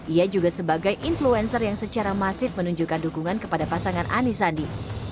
ia juga sebagai influencer yang secara masif menunjukkan dukungan kepada pasangan anisandi